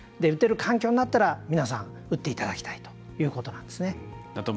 打てる環境になったら皆さん、打っていただきたいということなんですね。